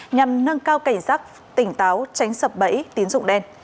nhằm nâng cao cảnh giác tỉnh táo tránh sập bẫy tín dụng đen